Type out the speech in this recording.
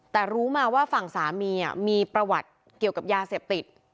แต่รู้มาว่าฝั่งสามีมีประวัติเกี่ยวกับยาเสพติด